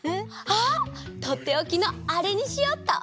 あっとっておきのあれにしよっと！